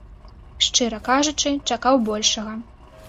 Шчыра кажучы, чакаў большага.